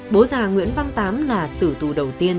bố già nguyễn văn tám là tử tù đầu tiên